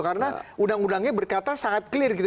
karena undang undangnya berkata sangat clear gitu